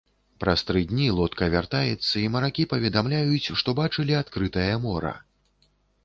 Праз тры дні лодка вяртаецца і маракі паведамляюць, што бачылі адкрытае мора.